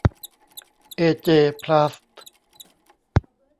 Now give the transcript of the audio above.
เอ เจ พลาสท์